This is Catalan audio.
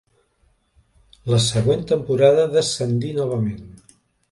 La següent temporada descendí novament.